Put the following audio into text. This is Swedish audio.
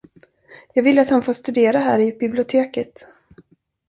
Jag vill att han får studera här i biblioteket.